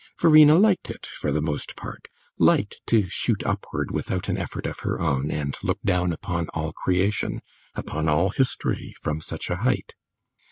Verena liked it, for the most part; liked to shoot upward without an effort of her own and look down upon all creation, upon all history, from such a height.